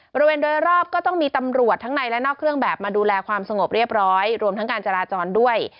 บริเวณโดยรอบก็ต้องมีตำรวจทั้งในและนอกเครื่องแบบมาดูแลความสงบเรียบร้อยรวมทั้งการจราจรด้วย